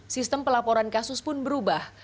sistem pelaporan kasus pun berubah